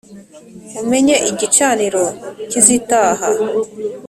umenye igicaniro cy’izitaha